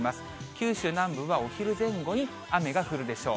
九州南部はお昼前後に雨が降るでしょう。